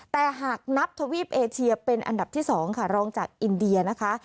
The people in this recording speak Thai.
แต่หากนับทวีปเอเชียเป็นอันดับที่๒ค่ะรองจากอินเดียนะคะ